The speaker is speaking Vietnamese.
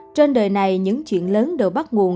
trên đời này những chuyện lớn đều bắt nguồn